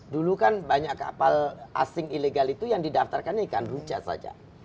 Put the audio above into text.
dulu kan banyak kapal asing ilegal itu yang didaftarkan ikan ruca saja